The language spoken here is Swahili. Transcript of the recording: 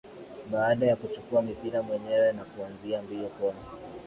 Baada ya kuchukua mpira mwenyewe na kuanza mbio kwa